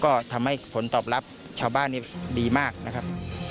ก็ทำให้ผลตอบรับชาวบ้านนี้ดีมากนะครับ